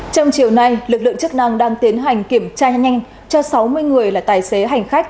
trong chiều nay lực lượng chức năng đang tiến hành kiểm tra nhanh cho sáu mươi người là tài xế hành khách